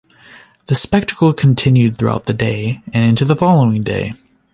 The spectacle continued throughout the day and into the following day.